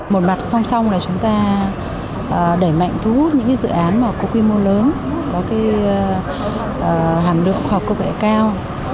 một mặt song song là chúng ta đẩy mạnh thu hút những dự án có quy mô lớn có hàm lực hoặc cơ bệ cao